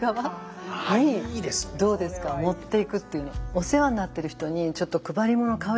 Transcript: お世話になってる人にちょっと配り物買う